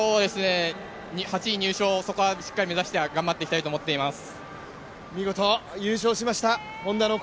８位入賞、そこはしっかり目指して頑張っていきたいと思います。